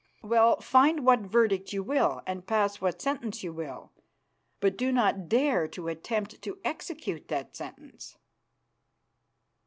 Well, find what verdict you will and pass what sentence you will, but do not dare to attempt to execute that sentence."